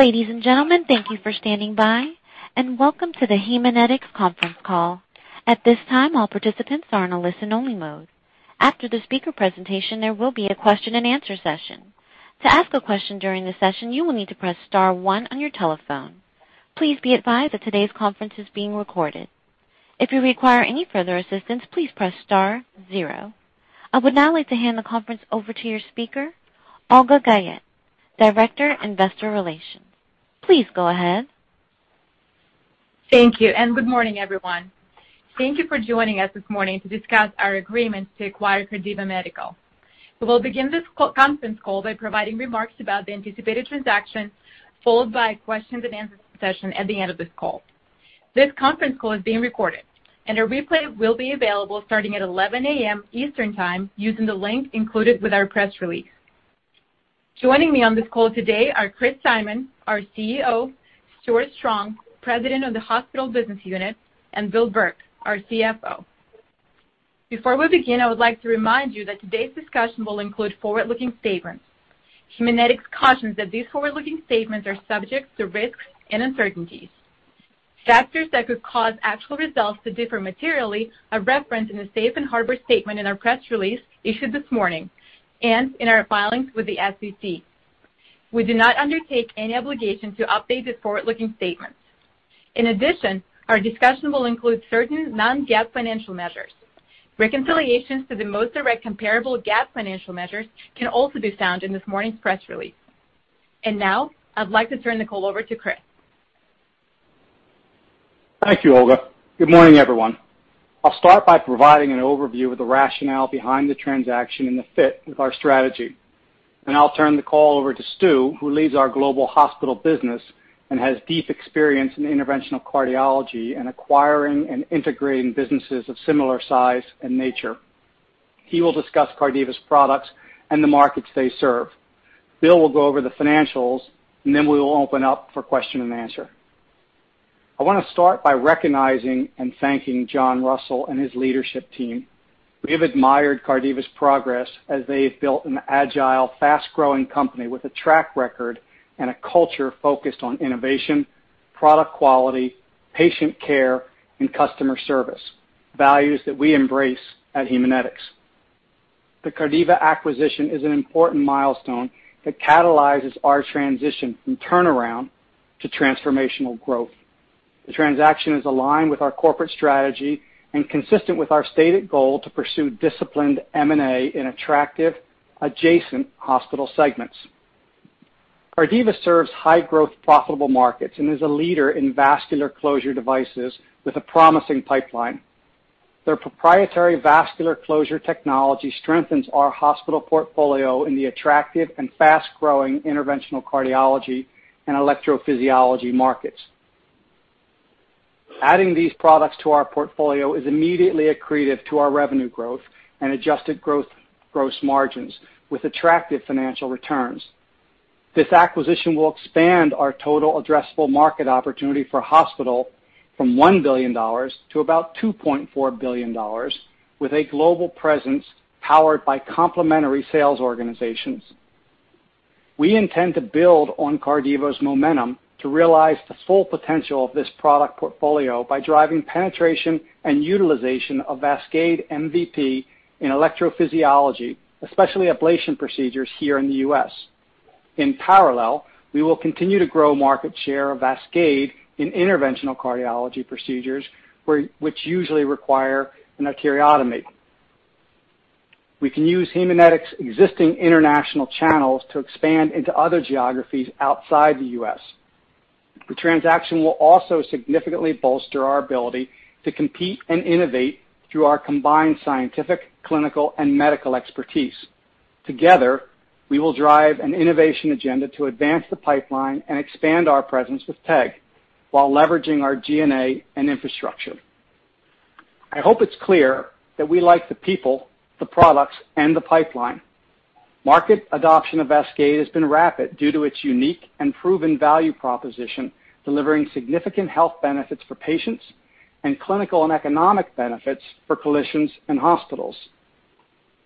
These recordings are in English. Ladies and gentlemen, thank you for standing by and welcome to the Haemonetics conference call. At this time, all participants are in a listen-only mode. After the speaker presentation, there will be a question and answer session. To ask a question during the session, you will need to press star one on your telephone. Please be advised that today's conference is being recorded. If you require any further assistance, please press star zero. I would now like to hand the conference over to your speaker, Olga Guyette, Director, Investor Relations. Please go ahead. Good morning, everyone. Thank you for joining us this morning to discuss our agreements to acquire Cardiva Medical. We will begin this conference call by providing remarks about the anticipated transaction, followed by a questions and answers session at the end of this call. This conference call is being recorded. A replay will be available starting at 11:00 A.M. Eastern Time using the link included with our press release. Joining me on this call today are Chris Simon, our CEO, Stewart Strong, President of the hospital business unit, Bill Burke, our CFO. Before we begin, I would like to remind you that today's discussion will include forward-looking statements. Haemonetics cautions that these forward-looking statements are subject to risks and uncertainties. Factors that could cause actual results to differ materially are referenced in the safe harbor statement in our press release issued this morning and in our filings with the SEC. We do not undertake any obligation to update the forward-looking statements. In addition, our discussion will include certain non-GAAP financial measures. Reconciliations to the most direct comparable GAAP financial measures can also be found in this morning's press release. Now, I'd like to turn the call over to Chris. Thank you, Olga. Good morning, everyone. I'll start by providing an overview of the rationale behind the transaction and the fit with our strategy. I'll turn the call over to Stu, who leads our global hospital business and has deep experience in interventional cardiology and acquiring and integrating businesses of similar size and nature. He will discuss Cardiva's products and the markets they serve. Bill will go over the financials, and then we will open up for question and answer. I want to start by recognizing and thanking John Russell and his leadership team. We have admired Cardiva's progress as they have built an agile, fast-growing company with a track record and a culture focused on innovation, product quality, patient care, and customer service, values that we embrace at Haemonetics. The Cardiva acquisition is an important milestone that catalyzes our transition from turnaround to transformational growth. The transaction is aligned with our corporate strategy and consistent with our stated goal to pursue disciplined M&A in attractive adjacent hospital segments. Cardiva serves high-growth, profitable markets and is a leader in vascular closure devices with a promising pipeline. Their proprietary vascular closure technology strengthens our hospital portfolio in the attractive and fast-growing interventional cardiology and electrophysiology markets. Adding these products to our portfolio is immediately accretive to our revenue growth and adjusted growth margins with attractive financial returns. This acquisition will expand our total addressable market opportunity for hospital from $1 billion to about $2.4 billion, with a global presence powered by complementary sales organizations. We intend to build on Cardiva's momentum to realize the full potential of this product portfolio by driving penetration and utilization of VASCADE MVP in electrophysiology, especially ablation procedures here in the U.S. In parallel, we will continue to grow market share of VASCADE in interventional cardiology procedures, which usually require an arteriotomy. We can use Haemonetics' existing international channels to expand into other geographies outside the U.S. The transaction will also significantly bolster our ability to compete and innovate through our combined scientific, clinical, and medical expertise. Together, we will drive an innovation agenda to advance the pipeline and expand our presence with TEG while leveraging our G&A and infrastructure. I hope it's clear that we like the people, the products, and the pipeline. Market adoption of VASCADE has been rapid due to its unique and proven value proposition, delivering significant health benefits for patients and clinical and economic benefits for clinicians and hospitals.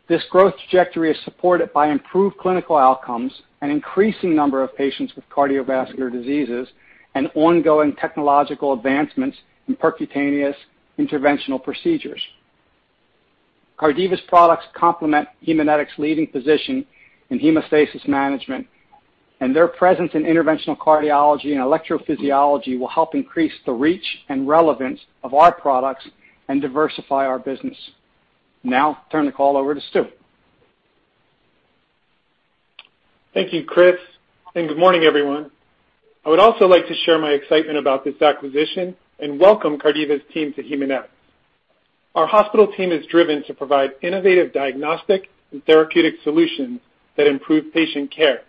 This growth trajectory is supported by improved clinical outcomes, an increasing number of patients with cardiovascular diseases, and ongoing technological advancements in percutaneous interventional procedures. Cardiva's products complement Haemonetics' leading position in hemostasis management, and their presence in interventional cardiology and electrophysiology will help increase the reach and relevance of our products and diversify our business. Now I turn the call over to Stewart. Thank you, Chris, and good morning, everyone. I would also like to share my excitement about this acquisition and welcome Cardiva's team to Haemonetics. Our hospital team is driven to provide innovative diagnostic and therapeutic solutions that improve patient care.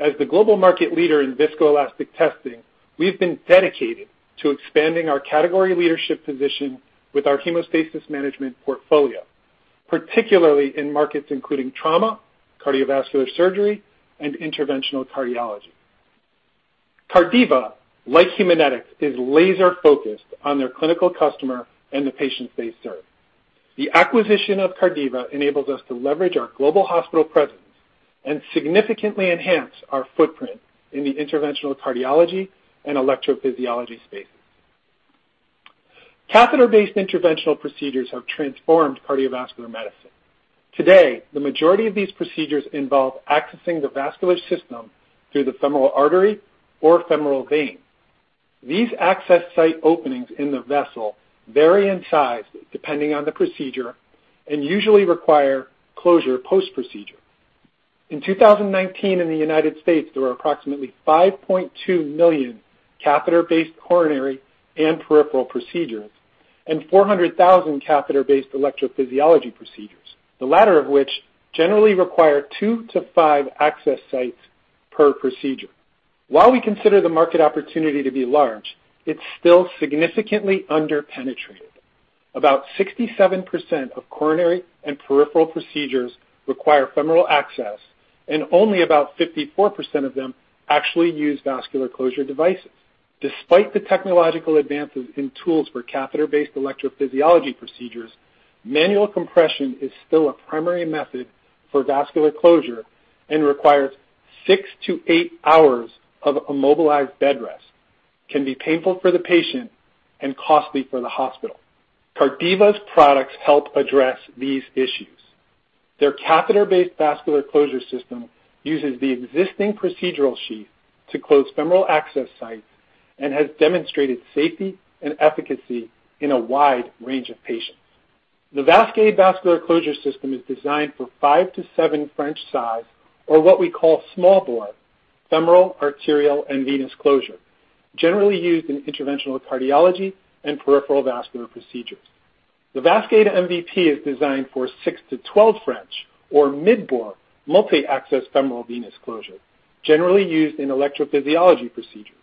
As the global market leader in viscoelastic testing, we've been dedicated to expanding our category leadership position with our hemostasis management portfolio, particularly in markets including trauma, cardiovascular surgery, and interventional cardiology. Cardiva, like Haemonetics, is laser-focused on their clinical customer and the patients they serve. The acquisition of Cardiva enables us to leverage our global hospital presence and significantly enhance our footprint in the interventional cardiology and electrophysiology spaces. Catheter-based interventional procedures have transformed cardiovascular medicine. Today, the majority of these procedures involve accessing the vascular system through the femoral artery or femoral vein. These access site openings in the vessel vary in size depending on the procedure and usually require closure post-procedure. In 2019, in the U.S., there were approximately 5.2 million catheter-based coronary and peripheral procedures, and 400,000 catheter-based electrophysiology procedures, the latter of which generally require two to five access sites per procedure. While we consider the market opportunity to be large, it's still significantly under-penetrated. About 67% of coronary and peripheral procedures require femoral access, and only about 54% of them actually use vascular closure devices. Despite the technological advances in tools for catheter-based electrophysiology procedures, manual compression is still a primary method for vascular closure and requires six to eight hours of immobilized bed rest, can be painful for the patient, and costly for the hospital. Cardiva's products help address these issues. Their catheter-based vascular closure system uses the existing procedural sheath to close femoral access sites and has demonstrated safety and efficacy in a wide range of patients. The VASCADE vascular closure system is designed for 5 to 7 French size, or what we call small bore, femoral, arterial, and venous closure, generally used in interventional cardiology and peripheral vascular procedures. The VASCADE MVP is designed for 6 to 12 French or mid-bore multi-access femoral venous closure, generally used in electrophysiology procedures.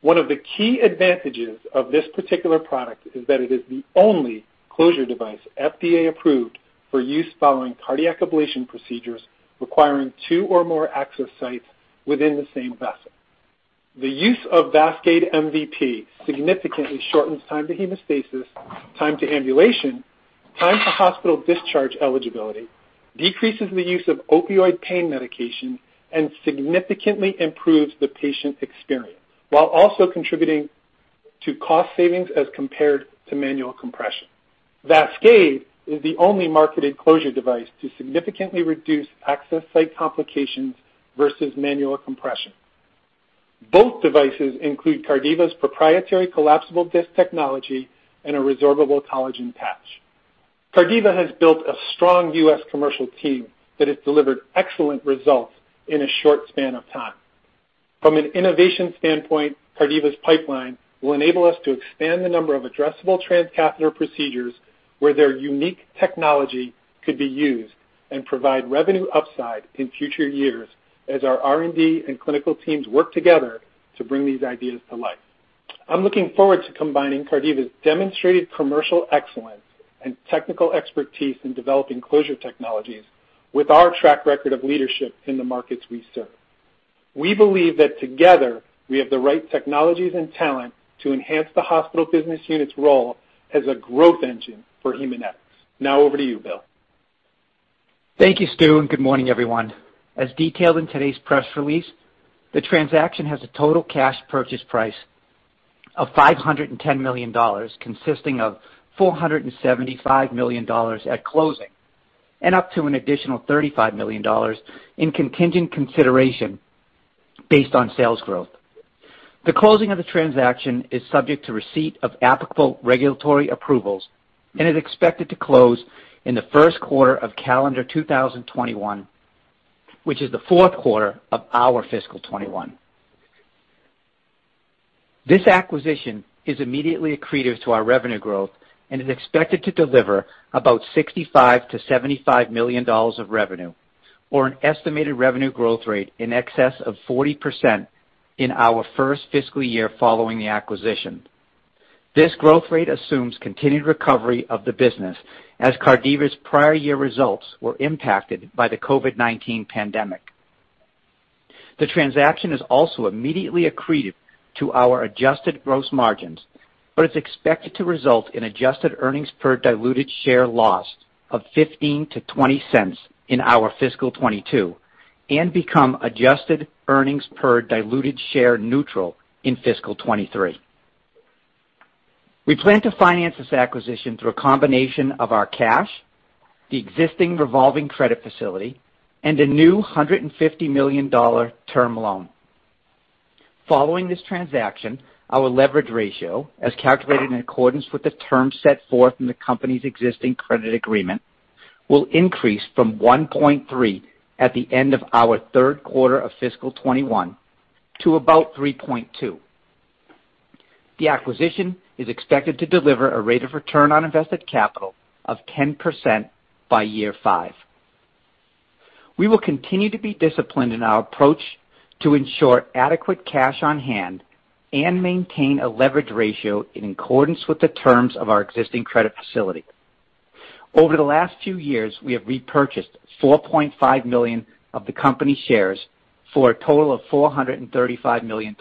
One of the key advantages of this particular product is that it is the only closure device FDA approved for use following cardiac ablation procedures requiring two or more access sites within the same vessel. The use of VASCADE MVP significantly shortens time to hemostasis, time to ambulation, time to hospital discharge eligibility, decreases the use of opioid pain medications, and significantly improves the patient experience while also contributing to cost savings as compared to manual compression. VASCADE is the only marketed closure device to significantly reduce access site complications versus manual compression. Both devices include Cardiva's proprietary collapsible disc technology and a resorbable collagen patch. Cardiva has built a strong U.S. commercial team that has delivered excellent results in a short span of time. From an innovation standpoint, Cardiva's pipeline will enable us to expand the number of addressable transcatheter procedures where their unique technology could be used and provide revenue upside in future years as our R&D and clinical teams work together to bring these ideas to life. I'm looking forward to combining Cardiva's demonstrated commercial excellence and technical expertise in developing closure technologies with our track record of leadership in the markets we serve. We believe that together, we have the right technologies and talent to enhance the hospital business unit's role as a growth engine for Haemonetics. Now over to you, Bill. Thank you, Stewart. Good morning, everyone. As detailed in today's press release, the transaction has a total cash purchase price of $510 million, consisting of $475 million at closing and up to an additional $35 million in contingent consideration based on sales growth. The closing of the transaction is subject to receipt of applicable regulatory approvals and is expected to close in the first quarter of calendar 2021, which is the fourth quarter of our fiscal 2021. This acquisition is immediately accretive to our revenue growth and is expected to deliver about $65 million-$75 million of revenue, or an estimated revenue growth rate in excess of 40% in our first fiscal year following the acquisition. This growth rate assumes continued recovery of the business, as Cardiva's prior year results were impacted by the COVID-19 pandemic. The transaction is also immediately accretive to our adjusted gross margins, but is expected to result in adjusted earnings per diluted share loss of $0.15-$0.20 in our fiscal 2022 and become adjusted earnings per diluted share neutral in fiscal 2023. We plan to finance this acquisition through a combination of our cash, the existing revolving credit facility, and a new $150 million term loan. Following this transaction, our leverage ratio, as calculated in accordance with the terms set forth in the company's existing credit agreement, will increase from 1.3 at the end of our third quarter of fiscal 2021 to about 3.2. The acquisition is expected to deliver a rate of return on invested capital of 10% by year five. We will continue to be disciplined in our approach to ensure adequate cash on hand and maintain a leverage ratio in accordance with the terms of our existing credit facility. Over the last few years, we have repurchased 4.5 million of the company shares for a total of $435 million.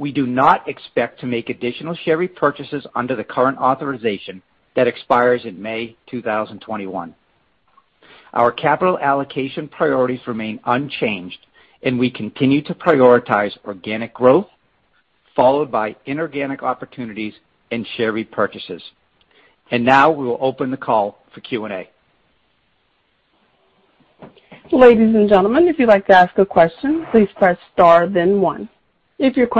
We do not expect to make additional share repurchases under the current authorization that expires in May 2021. Our capital allocation priorities remain unchanged, and we continue to prioritize organic growth, followed by inorganic opportunities and share repurchases. Now we will open the call for Q&A. Our first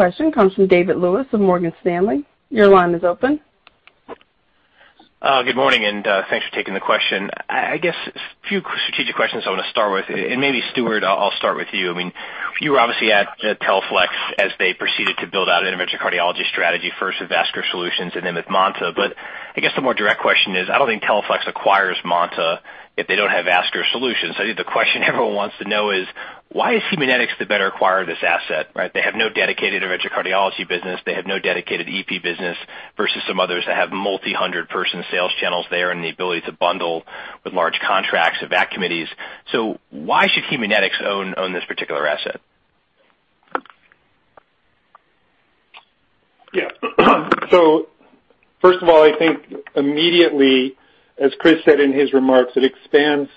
question comes from David Lewis of Morgan Stanley. Your line is open. Good morning. Thanks for taking the question. I guess a few strategic questions I want to start with. Maybe Stewart, I'll start with you. You were obviously at Teleflex as they proceeded to build out an interventional cardiology strategy, first with Vascular Solutions and then with MANTA. I guess the more direct question is, I don't think Teleflex acquires MANTA if they don't have Vascular Solutions. I think the question everyone wants to know is why is Haemonetics the better acquirer of this asset, right? They have no dedicated interventional cardiology business. They have no dedicated EP business versus some others that have multi-hundred-person sales channels there and the ability to bundle with large contracts of VAC committees. Why should Haemonetics own this particular asset? Yeah. First of all, I think immediately, as Chris said in his remarks, it expands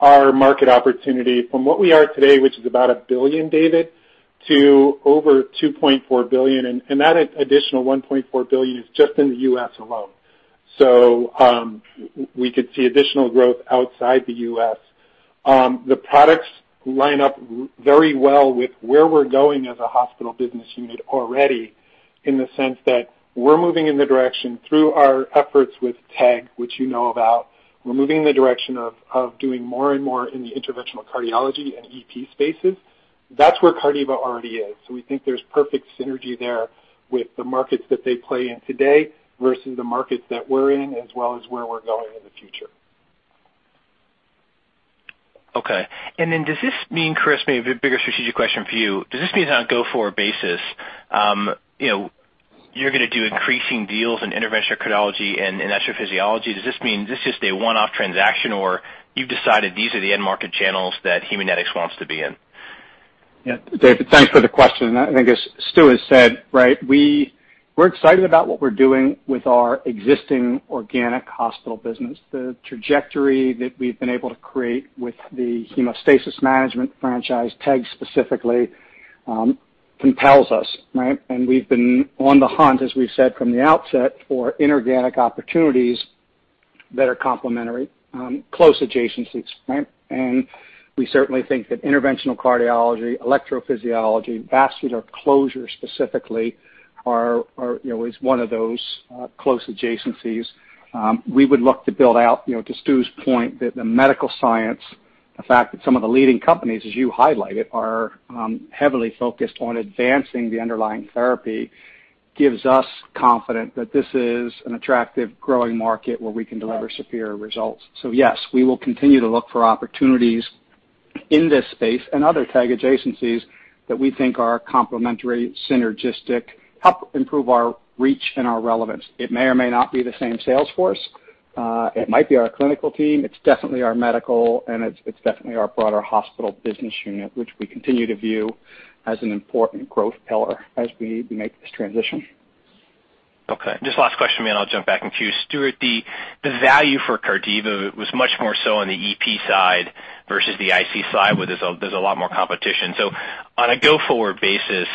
our market opportunity from what we are today, which is about $1 billion, David, to over $2.4 billion, and that additional $1.4 billion is just in the U.S. alone. We could see additional growth outside the U.S. The products line up very well with where we're going as a hospital business unit already in the sense that we're moving in the direction through our efforts with TEG, which you know about. We're moving in the direction of doing more and more in the interventional cardiology and EP spaces. That's where Cardiva already is. We think there's perfect synergy there with the markets that they play in today versus the markets that we're in, as well as where we're going in the future. Okay. Does this mean, Chris, maybe a bit bigger strategic question for you. Does this mean on a go-forward basis you're going to do increasing deals in interventional cardiology and electrophysiology? Does this mean this is a one-off transaction, or you've decided these are the end market channels that Haemonetics wants to be in? Yeah. David, thanks for the question. I think as Stu has said, right, we're excited about what we're doing with our existing organic hospital business. The trajectory that we've been able to create with the hemostasis management franchise, TEG specifically, compels us, right? We've been on the hunt, as we've said from the outset, for inorganic opportunities that are complementary, close adjacencies, right? We certainly think that interventional cardiology, electrophysiology, vascular closure specifically is one of those close adjacencies. We would look to build out, to Stu's point, that the medical science, the fact that some of the leading companies, as you highlighted, are heavily focused on advancing the underlying therapy gives us confidence that this is an attractive, growing market where we can deliver superior results. Yes, we will continue to look for opportunities in this space and other TEG adjacencies that we think are complementary, synergistic, help improve our reach and our relevance. It may or may not be the same sales force. It might be our clinical team. It's definitely our medical, and it's definitely our broader hospital business unit, which we continue to view as an important growth pillar as we make this transition. Okay. Just last question, and then I'll jump back in queue. Stewart, the value for Cardiva was much more so on the EP side versus the IC side, where there's a lot more competition. On a go-forward basis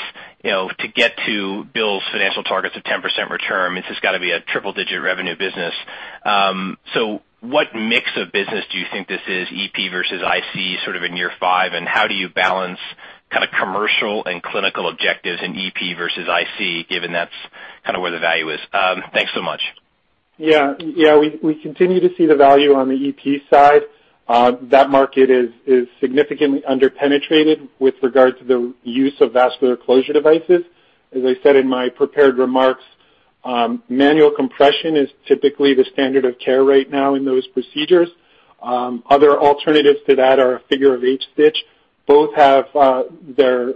to get to Bill's financial targets of 10% return, it's just got to be a triple-digit revenue business. What mix of business do you think this is, EP versus IC, sort of in year five, and how do you balance kind of commercial and clinical objectives in EP versus IC, given that's kind of where the value is? Thanks so much. We continue to see the value on the EP side. That market is significantly under-penetrated with regard to the use of vascular closure devices. As I said in my prepared remarks, manual compression is typically the standard of care right now in those procedures. Other alternatives to that are a figure-of-eight stitch. Both have their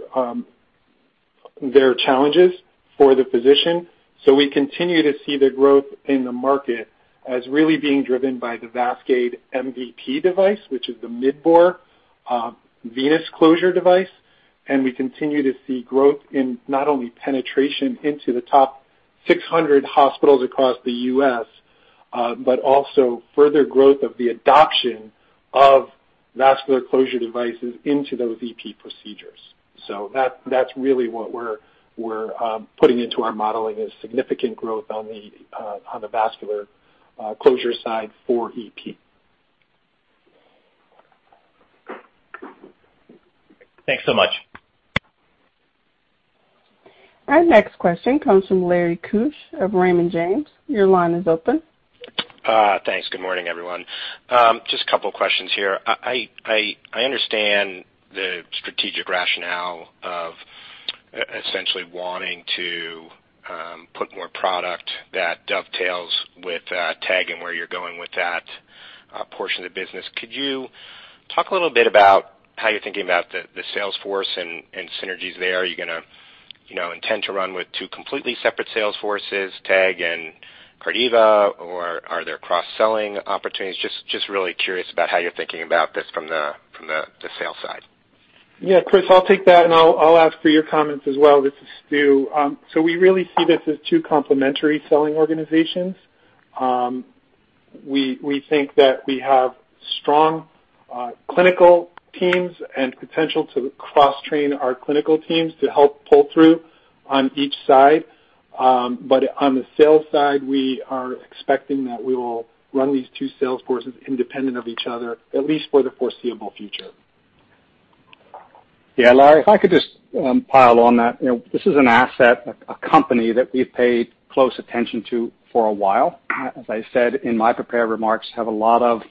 challenges for the physician. We continue to see the growth in the market as really being driven by the VASCADE MVP device, which is the mid-bore venous closure device, and we continue to see growth in not only penetration into the top 600 hospitals across the U.S. but also further growth of the adoption of vascular closure devices into those EP procedures. That's really what we're putting into our modeling is significant growth on the vascular closure side for EP. Thanks so much. Our next question comes from Larry Keusch of Raymond James. Your line is open. Thanks. Good morning, everyone. Just a couple of questions here. I understand the strategic rationale of essentially wanting to put more product that dovetails with TEG and where you're going with that portion of the business. Could you talk a little bit about how you're thinking about the sales force and synergies there? You intend to run with two completely separate sales forces, TEG and Cardiva, or are there cross-selling opportunities? Just really curious about how you're thinking about this from the sales side. Yeah, Chris, I'll take that and I'll ask for your comments as well. This is Stewart. We really see this as two complementary selling organizations. We think that we have strong clinical teams and potential to cross-train our clinical teams to help pull through on each side. On the sales side, we are expecting that we will run these two sales forces independent of each other, at least for the foreseeable future. Yeah, Larry, if I could just pile on that. This is an asset, a company that we've paid close attention to for a while. As I said in my prepared remarks, have a lot of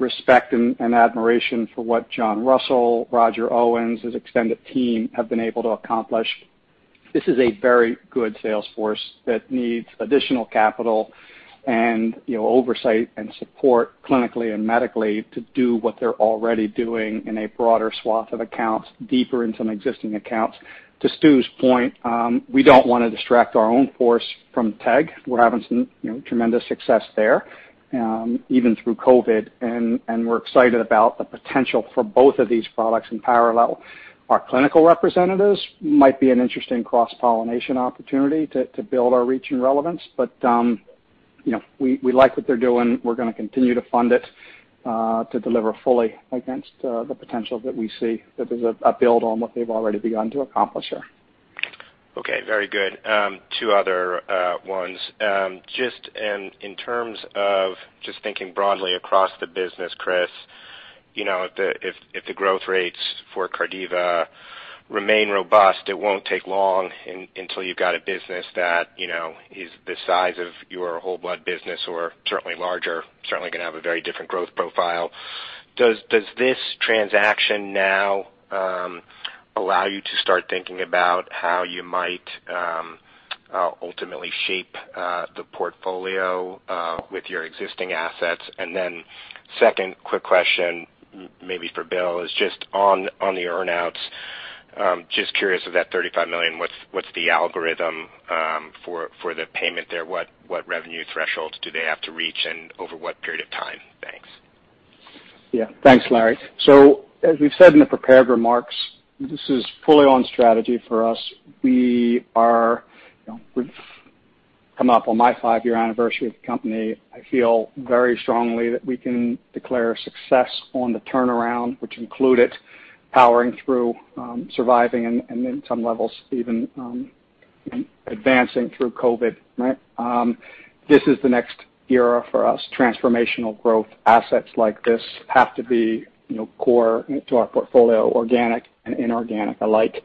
respect and admiration for what John Russell, Roger Owens, his extended team have been able to accomplish. This is a very good sales force that needs additional capital and oversight and support clinically and medically to do what they're already doing in a broader swath of accounts, deeper into some existing accounts. To Stu's point, we don't want to distract our own force from TEG. We're having some tremendous success there, even through COVID. We're excited about the potential for both of these products in parallel. Our clinical representatives might be an interesting cross-pollination opportunity to build our reach and relevance. We like what they're doing. We're going to continue to fund it to deliver fully against the potential that we see that there's a build on what they've already begun to accomplish here. Okay, very good. Two other ones. Just in terms of just thinking broadly across the business, Chris, if the growth rates for Cardiva remain robust, it won't take long until you've got a business that is the size of your whole blood business or certainly larger, certainly going to have a very different growth profile. Does this transaction now allow you to start thinking about how you might ultimately shape the portfolio with your existing assets? Second quick question, maybe for Bill, is just on the earn-outs. Just curious of that $35 million, what's the algorithm for the payment there? What revenue threshold do they have to reach and over what period of time? Thanks. Yeah. Thanks, Larry. As we've said in the prepared remarks, this is fully on strategy for us. We've come up on my five-year anniversary with the company. I feel very strongly that we can declare success on the turnaround, which included powering through, surviving, and in some levels even advancing through COVID, right? This is the next era for us. Transformational growth assets like this have to be core to our portfolio, organic and inorganic alike.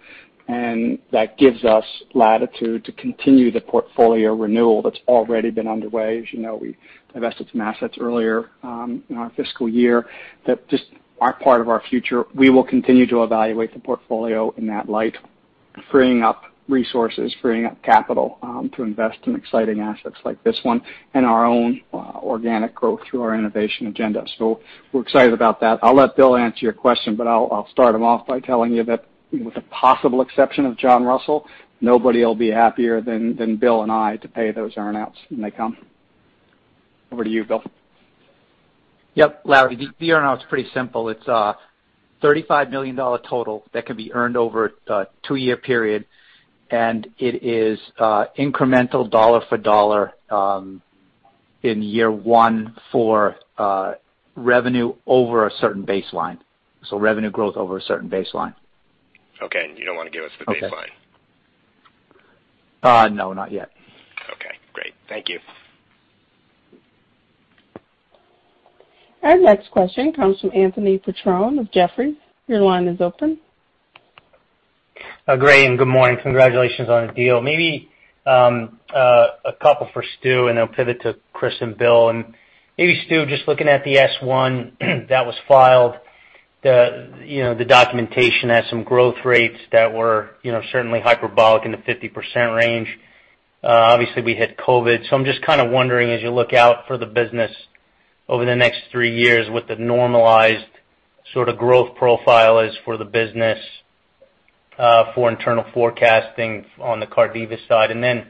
That gives us latitude to continue the portfolio renewal that's already been underway. As you know, we divested some assets earlier in our fiscal year that just aren't part of our future. We will continue to evaluate the portfolio in that light, freeing up resources, freeing up capital to invest in exciting assets like this one and our own organic growth through our innovation agenda. We're excited about that. I'll let Bill answer your question, but I'll start him off by telling you that with the possible exception of John Russell, nobody will be happier than Bill and I to pay those earn-outs when they come. Over to you, Bill. Yep. Larry, the earn-out's pretty simple. It's a $35 million total that can be earned over a two-year period, and it is incremental dollar for dollar in year one for revenue over a certain baseline. Revenue growth over a certain baseline. Okay, you don't want to give us the baseline? No, not yet. Okay, great. Thank you. Our next question comes from Anthony Petrone with Jefferies. Your line is open. Great, good morning. Congratulations on the deal. Maybe a couple for Stu, then I'll pivot to Chris and Bill. Maybe Stewart, just looking at the S-1 that was filed, the documentation has some growth rates that were certainly hyperbolic in the 50% range. Obviously we hit COVID. So I'm just kind of wondering as you look out for the business over the next three years, what the normalized sort of growth profile is for the business for internal forecasting on the Cardiva side. Then,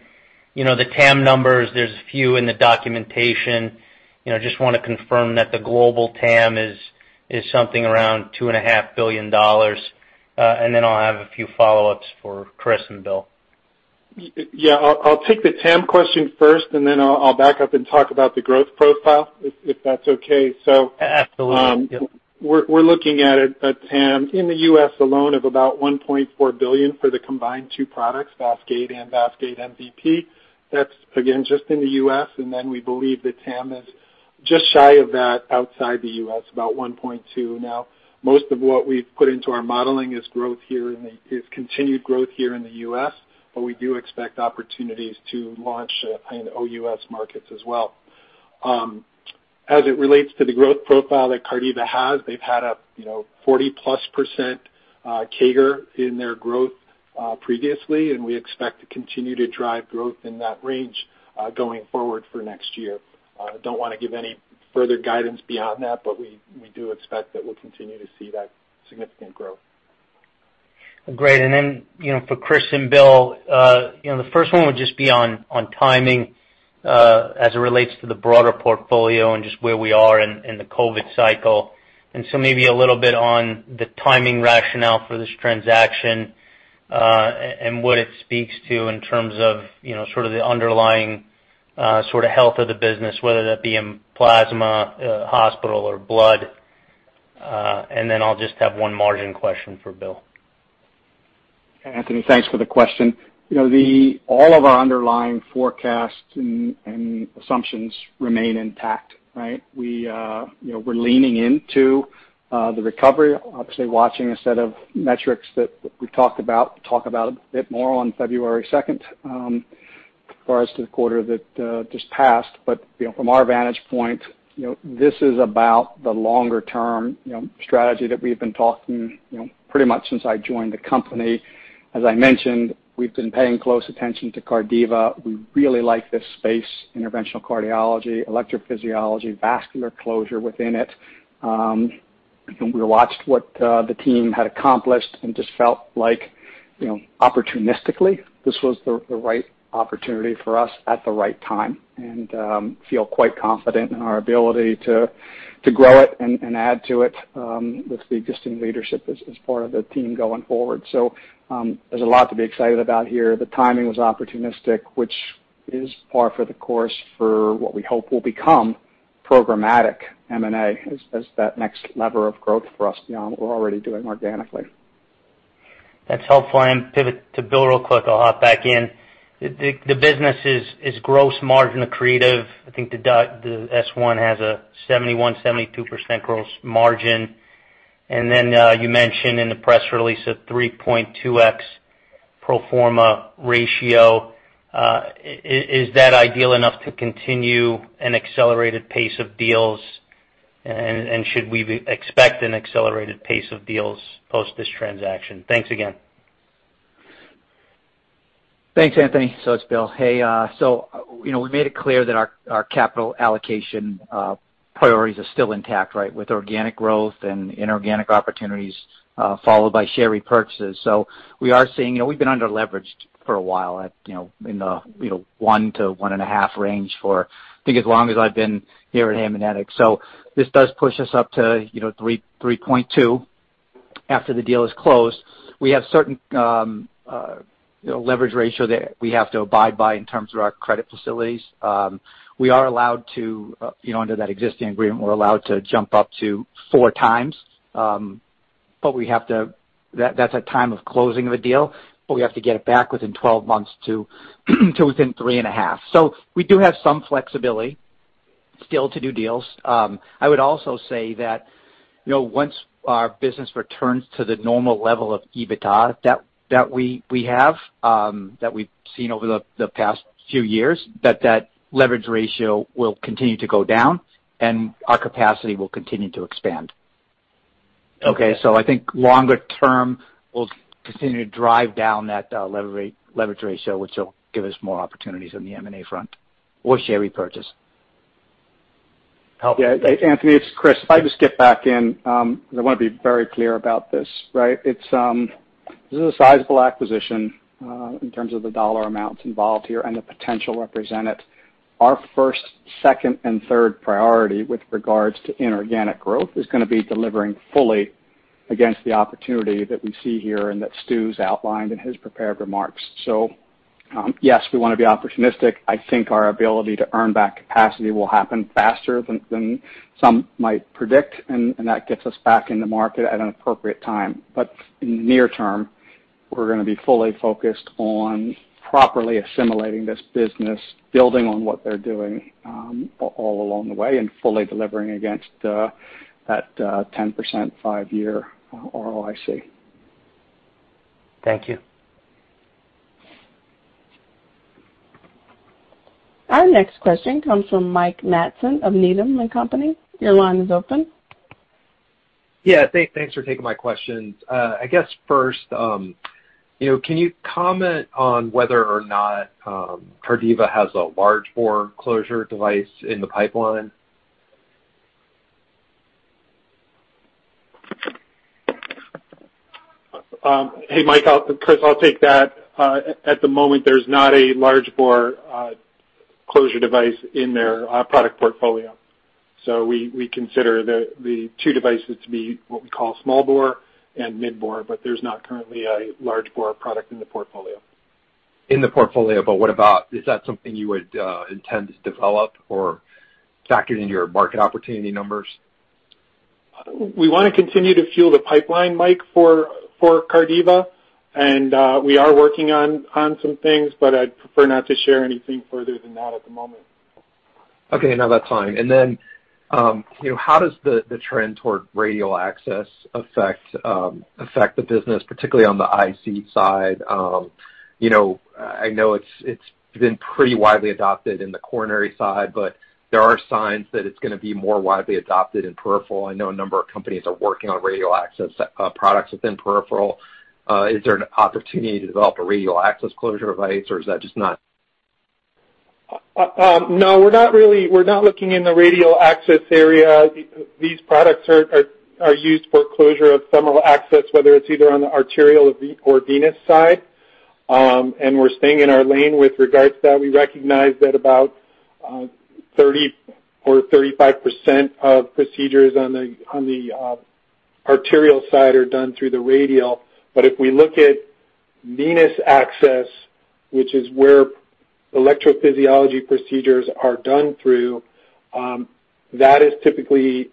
the TAM numbers, there's a few in the documentation. Just want to confirm that the global TAM is something around $2.5 billion. Then I'll have a few follow-ups for Chris and Bill. Yeah, I'll take the TAM question first, and then I'll back up and talk about the growth profile, if that's okay. Absolutely. We're looking at a TAM in the U.S. alone of about $1.4 billion for the combined two products, VASCADE and VASCADE MVP. That's again, just in the U.S., and then we believe the TAM is just shy of that outside the U.S., about $1.2 billion now. Most of what we've put into our modeling is continued growth here in the U.S., but we do expect opportunities to launch in OUS markets as well. As it relates to the growth profile that Cardiva has, they've had a 40-plus% CAGR in their growth previously, and we expect to continue to drive growth in that range going forward for next year. I don't want to give any further guidance beyond that, but we do expect that we'll continue to see that significant growth. Great. For Chris and Bill, the first one would just be on timing as it relates to the broader portfolio and just where we are in the COVID cycle. Maybe a little bit on the timing rationale for this transaction and what it speaks to in terms of sort of the underlying sort of health of the business, whether that be in plasma, hospital, or blood. I'll just have one margin question for Bill. Anthony, thanks for the question. All of our underlying forecasts and assumptions remain intact, right? We're leaning into the recovery, obviously watching a set of metrics that we talk about a bit more on February 2nd as far as the quarter that just passed. From our vantage point, this is about the longer term strategy that we've been talking pretty much since I joined the company. As I mentioned, we've been paying close attention to Cardiva. We really like this space, interventional cardiology, electrophysiology, vascular closure within it. We watched what the team had accomplished and just felt like, opportunistically, this was the right opportunity for us at the right time and feel quite confident in our ability to grow it and add to it with the existing leadership as part of the team going forward. There's a lot to be excited about here. The timing was opportunistic, which is par for the course for what we hope will become programmatic M&A as that next lever of growth for us beyond what we're already doing organically. That's helpful. Pivot to Bill real quick. I'll hop back in. The business' gross margin accretive, I think the S1 has a 71%, 72% gross margin. Then you mentioned in the press release a 3.2x pro forma ratio. Is that ideal enough to continue an accelerated pace of deals? Should we expect an accelerated pace of deals post this transaction? Thanks again. Thanks, Anthony. It's Bill. Hey, we made it clear that our capital allocation priorities are still intact, right, with organic growth and inorganic opportunities followed by share repurchases. We've been under-leveraged for a while in the 1x-1.5x range for I think as long as I've been here at Haemonetics. This does push us up to 3.2x after the deal is closed. We have certain leverage ratio that we have to abide by in terms of our credit facilities. Under that existing agreement, we're allowed to jump up to 4x. That's at time of closing of a deal, we have to get it back within 12 months to within 3.5x. We do have some flexibility still to do deals. I would also say that once our business returns to the normal level of EBITDA that we have, that we've seen over the past few years, that that leverage ratio will continue to go down and our capacity will continue to expand. Okay. I think longer term, we'll continue to drive down that leverage ratio, which will give us more opportunities on the M&A front or share repurchase. Helpful. Yeah. Anthony, it's Chris. If I just skip back in, because I want to be very clear about this, right? This is a sizable acquisition in terms of the dollar amounts involved here and the potential represented. Our first, second, and third priority with regards to inorganic growth is going to be delivering fully against the opportunity that we see here and that Stu's outlined in his prepared remarks. Yes, we want to be opportunistic. I think our ability to earn back capacity will happen faster than some might predict, and that gets us back in the market at an appropriate time. In the near term, we're going to be fully focused on properly assimilating this business, building on what they're doing all along the way, and fully delivering against that 10% five-year ROIC. Thank you. Our next question comes from Mike Matson of Needham and Company. Your line is open. Yeah. Thanks for taking my questions. I guess first, can you comment on whether or not Cardiva has a large bore closure device in the pipeline? Hey, Mike. Chris, I'll take that. At the moment, there's not a large bore closure device in their product portfolio. We consider the two devices to be what we call small bore and mid bore, but there's not currently a large bore product in the portfolio. In the portfolio. What about, is that something you would intend to develop or factor into your market opportunity numbers? We want to continue to fuel the pipeline, Mike, for Cardiva, and we are working on some things, but I'd prefer not to share anything further than that at the moment. Okay. No, that's fine. How does the trend toward radial access affect the business, particularly on the IC side? I know it's been pretty widely adopted in the coronary side, but there are signs that it's going to be more widely adopted in peripheral. I know a number of companies are working on radial access products within peripheral. Is there an opportunity to develop a radial access closure device or is that just not? No, we're not looking in the radial access area. These products are used for closure of femoral access, whether it's either on the arterial or venous side. We're staying in our lane with regards to that. We recognize that about 30% or 35% of procedures on the arterial side are done through the radial. If we look at venous access, which is where electrophysiology procedures are done through, that is typically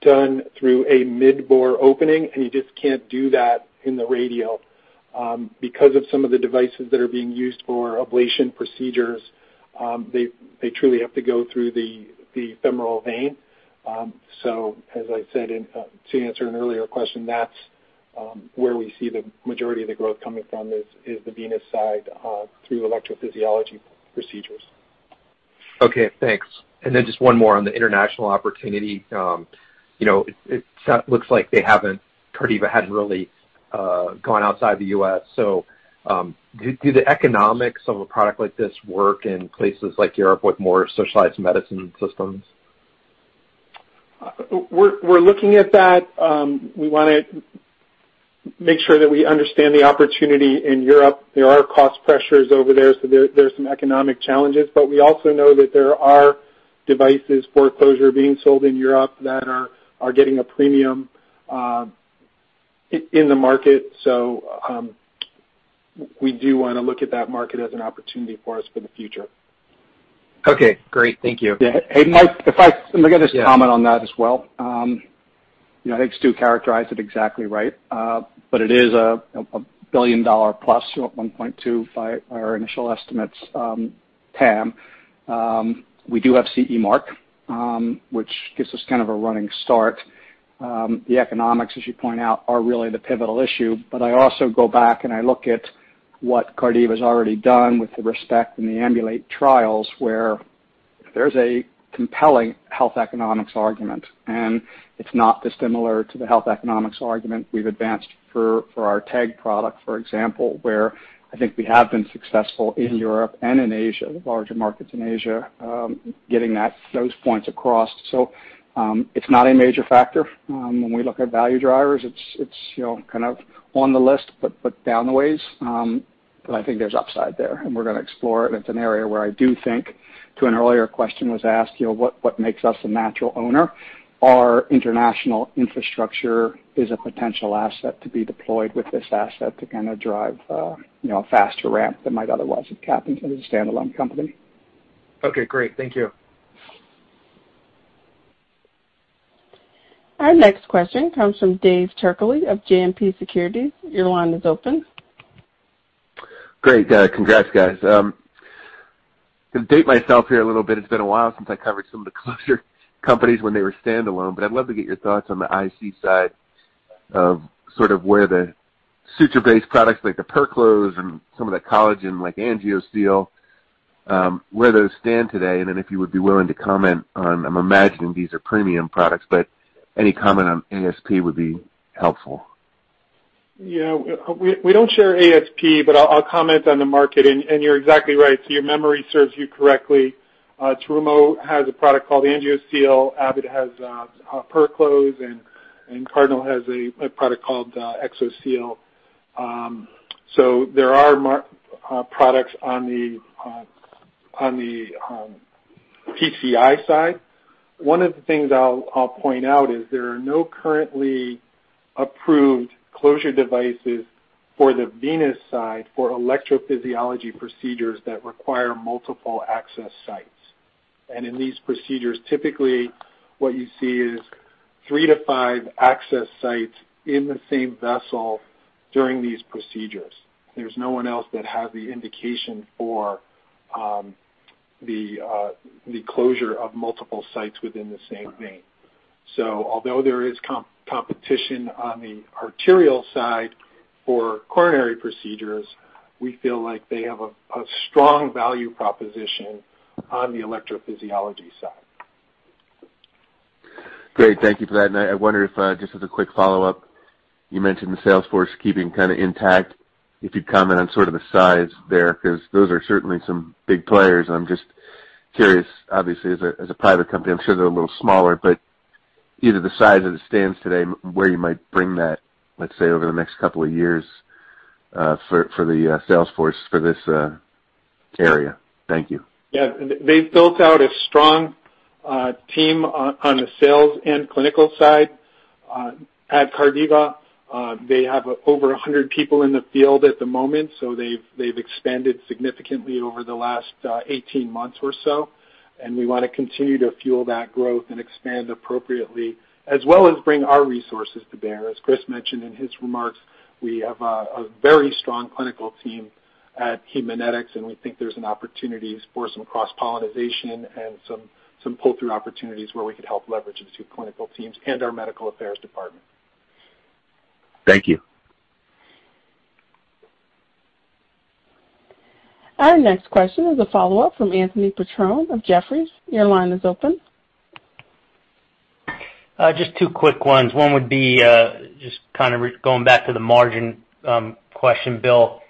done through a mid-bore opening, and you just can't do that in the radial. Because of some of the devices that are being used for ablation procedures, they truly have to go through the femoral vein. As I said, to answer an earlier question, that's where we see the majority of the growth coming from, is the venous side, through electrophysiology procedures. Okay, thanks. Just one more on the international opportunity. It looks like Cardiva hadn't really gone outside the U.S. Do the economics of a product like this work in places like Europe with more socialized medicine systems? We're looking at that. We want to make sure that we understand the opportunity in Europe. There are cost pressures over there, so there's some economic challenges. We also know that there are devices for closure being sold in Europe that are getting a premium in the market. We do want to look at that market as an opportunity for us for the future. Okay, great. Thank you. Yeah. Aidan, if I may get a comment on that as well. I think Stu characterized it exactly right. It is a billion-dollar-plus, you know, 1.2 by our initial estimates, TAM. We do have CE mark, which gives us kind of a running start. The economics, as you point out, are really the pivotal issue. I also go back and I look at what Cardiva's already done with the RESPECT and the AMBULATE trials, where there's a compelling health economics argument, and it's not dissimilar to the health economics argument we've advanced for our TEG product, for example, where I think we have been successful in Europe and in Asia, the larger markets in Asia, getting those points across. It's not a major factor. When we look at value drivers, it's kind of on the list, but down the ways. I think there's upside there, and we're going to explore it. It's an area where I do think, to an earlier question was asked, what makes us a natural owner? Our international infrastructure is a potential asset to be deployed with this asset to kind of drive a faster ramp than might otherwise have happened as a standalone company. Okay, great. Thank you. Our next question comes from Dave Turkaly of JMP Securities. Your line is open. Great. Congrats, guys. To date myself here a little bit, it's been a while since I covered some of the closure companies when they were standalone, but I'd love to get your thoughts on the IC side of sort of where the suture-based products like the Perclose and some of the collagen like Angio-Seal, where those stand today. Then if you would be willing to comment on, I'm imagining these are premium products, but any comment on ASP would be helpful. We don't share ASP. I'll comment on the market. You're exactly right. Your memory serves you correctly. Terumo has a product called Angio-Seal, Abbott has Perclose, and Cordis has a product called EXOSEAL. There are products on the PCI side. One of the things I'll point out is there are no currently approved closure devices for the venous side for electrophysiology procedures that require multiple access sites. In these procedures, typically, what you see is three to five access sites in the same vessel during these procedures. There's no one else that has the indication for the closure of multiple sites within the same vein. Although there is competition on the arterial side for coronary procedures, we feel like they have a strong value proposition on the electrophysiology side. Great. Thank you for that. I wonder if, just as a quick follow-up, you mentioned the sales force keeping kind of intact, if you'd comment on sort of the size there, because those are certainly some big players, and I'm just curious. Obviously, as a private company, I'm sure they're a little smaller, but either the size as it stands today, where you might bring that, let's say, over the next couple of years, for the sales force for this area. Thank you. Yeah. They've built out a strong team on the sales and clinical side. At Cardiva, they have over 100 people in the field at the moment, so they've expanded significantly over the last 18 months or so, and we want to continue to fuel that growth and expand appropriately, as well as bring our resources to bear. As Chris mentioned in his remarks, we have a very strong clinical team at Haemonetics, and we think there's an opportunity for some cross-pollination and some pull-through opportunities where we could help leverage the two clinical teams and our medical affairs department. Thank you. Our next question is a follow-up from Anthony Petrone of Jefferies. Your line is open. Just two quick ones. One would be just kind of going back to the margin question, Bill.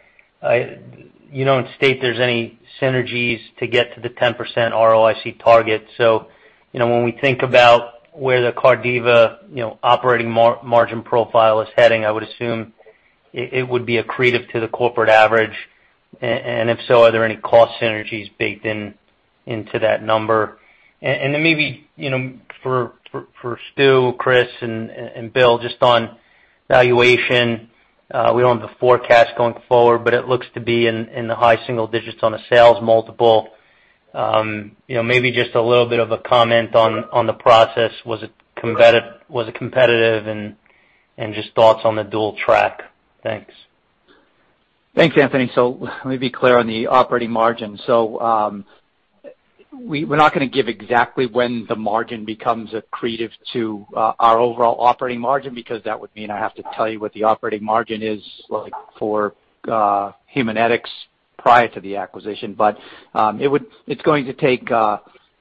You don't state there's any synergies to get to the 10% ROIC target. When we think about where the Cardiva operating margin profile is heading, I would assume it would be accretive to the corporate average. If so, are there any cost synergies baked into that number? Maybe for Stewart, Chris, and Bill, just on valuation, we don't have the forecast going forward, but it looks to be in the high single digits on a sales multiple. Maybe just a little bit of a comment on the process. Was it competitive, and just thoughts on the dual track. Thanks. Thanks, Anthony. Let me be clear on the operating margin. We're not going to give exactly when the margin becomes accretive to our overall operating margin, because that would mean I have to tell you what the operating margin is like for Haemonetics prior to the acquisition.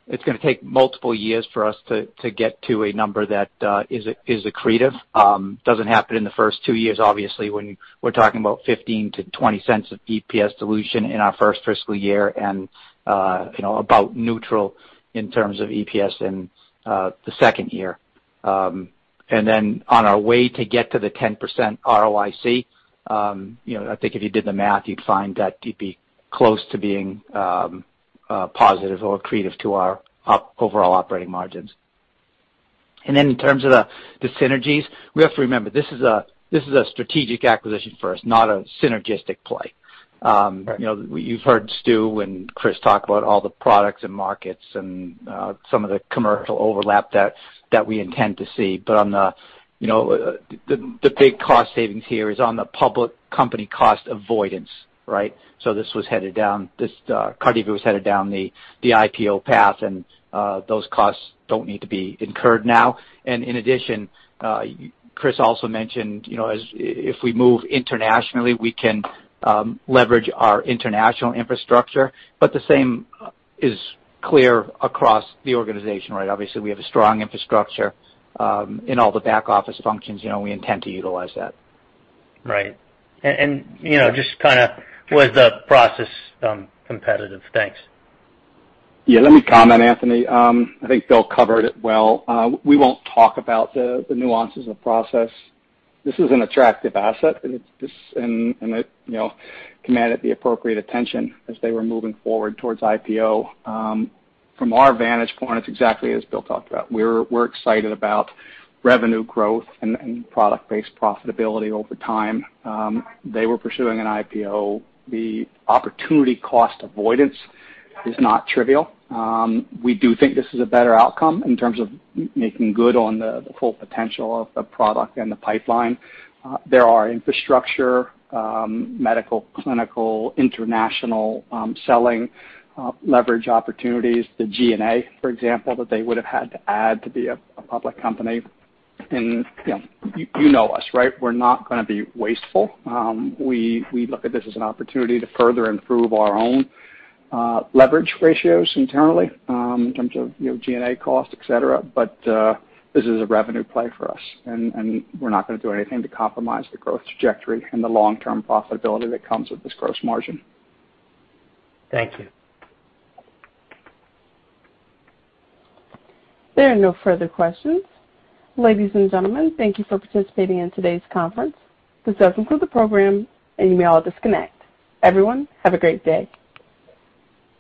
It's going to take multiple years for us to get to a number that is accretive. Doesn't happen in the first two years, obviously, when we're talking about $0.15-$0.20 of EPS dilution in our first fiscal year and about neutral in terms of EPS in the second year. Then on our way to get to the 10% ROIC, I think if you did the math, you'd find that you'd be close to being positive or accretive to our overall operating margins. In terms of the synergies, we have to remember, this is a strategic acquisition for us, not a synergistic play. Right. You've heard Stewart and Chris talk about all the products and markets and some of the commercial overlap that we intend to see. The big cost savings here is on the public company cost avoidance. Right? Cardiva was headed down the IPO path, and those costs don't need to be incurred now. In addition, Chris also mentioned if we move internationally, we can leverage our international infrastructure, but the same is clear across the organization. Right? Obviously, we have a strong infrastructure in all the back office functions. We intend to utilize that. Right. Just kind of was the process competitive? Thanks. Yeah, let me comment, Anthony. I think Bill covered it well. We won't talk about the nuances of process. This is an attractive asset, and it commanded the appropriate attention as they were moving forward towards IPO. From our vantage point, it's exactly as Bill talked about. We're excited about revenue growth and product-based profitability over time. They were pursuing an IPO. The opportunity cost avoidance is not trivial. We do think this is a better outcome in terms of making good on the full potential of the product and the pipeline. There are infrastructure, medical, clinical, international selling leverage opportunities, the G&A, for example, that they would have had to add to be a public company. You know us, right? We're not going to be wasteful. We look at this as an opportunity to further improve our own leverage ratios internally in terms of G&A costs, et cetera. This is a revenue play for us, and we're not going to do anything to compromise the growth trajectory and the long-term profitability that comes with this gross margin. Thank you. There are no further questions. Ladies and gentlemen, thank you for participating in today's conference. This does conclude the program, and you may all disconnect. Everyone, have a great day.